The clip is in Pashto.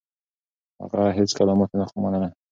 هغه هيڅکله ماتې نه منله.